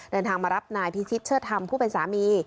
เดินทางมารับนายพิชิตเชิดธรรมผู้เป็นสามี